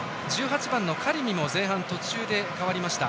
１８番のカリミも前半途中で代わりました。